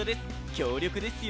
強力ですよ！